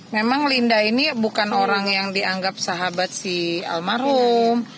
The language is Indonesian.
memang linda ini bukan orang yang dianggap sahabat si almarhum